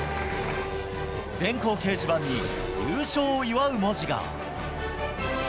電光掲示板に優勝を祝う文字が。